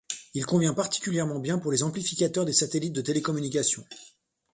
Il convient particulièrement bien pour les amplificateurs des satellites de télécommunications.